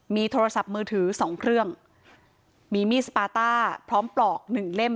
มีโทรศัพท์มือถือสองเครื่องมีมีดสปาต้าพร้อมปลอกหนึ่งเล่ม